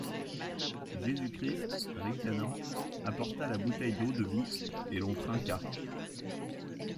Jésus-Christ, ricanant, apporta la bouteille d’eau-de-vie, et l’on trinqua.